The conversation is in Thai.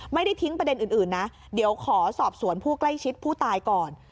ไม่ได้ทิ้งประเด็นอื่นนะเดี๋ยวขอสอบสวนผู้ใกล้ชิดผู้ตายก่อน